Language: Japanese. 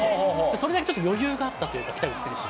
それだけ余裕があったというか、北口選手。